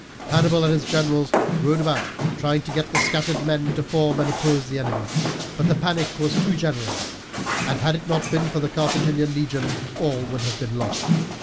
Hannibal and his generals rode about trying to get the scattered men to form and oppose the enemy; but the panic was too general, and had it not been for the Carthaginian legion all would have been lost.